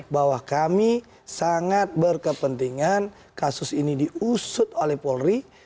bahwa kami sangat berkepentingan kasus ini diusut oleh polri